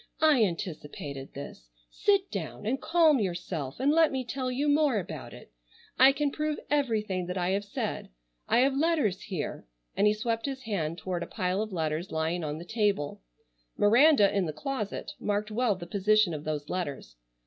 I anticipated this. Sit down and calm yourself and let me tell you more about it. I can prove everything that I have said. I have letters here——" and he swept his hand toward a pile of letters lying on the table; Miranda in the closet marked well the position of those letters.